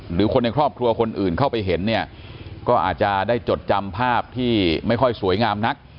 หรือคนในครอบครัวคนอื่นเข้าไปเห็นเนี่ยก็อาจจะได้จดจำภาพที่ไม่ค่อยสวยงามนัก